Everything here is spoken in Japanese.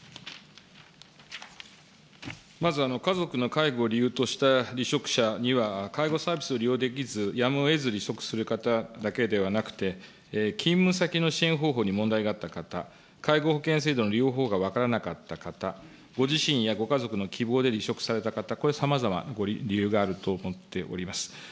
まず、家族の介護を理由とした離職者には、介護サービスを利用できず、やむをえず離職する方だけではなくて、勤務先の支援方法に問題があった方、介護保険制度の利用法が分からなかった方、ご自身やご家族の希望で離職された方、これ、さまざま理由があると思っております。